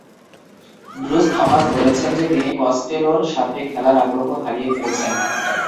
Bruce Thomas বলেছেন যে তিনি কস্টেলোর সাথে খেলার আগ্রহ হারিয়ে ফেলেছেন।